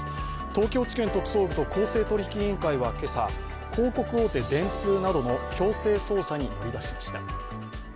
東京地検特捜部と公正取引委員会は今朝、広告大手、電通などの強制捜査に乗り出しました。